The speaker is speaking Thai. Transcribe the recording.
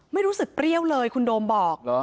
ไม่รู้สึกเปรี้ยวเลยคุณโดมบอก